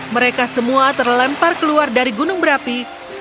mereka semua terlempar keluar dari gunung berapi